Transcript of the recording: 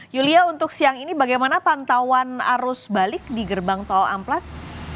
yulia untuk siang ini bagaimana pantauan arus balik di gerbang tol amplas